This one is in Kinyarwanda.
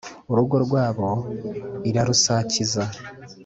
urugo rwabo irarusakiza;